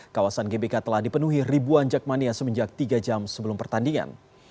kawasan gbk telah dipenuhi ribuan jakmania semenjak tiga jam sebelum pertandingan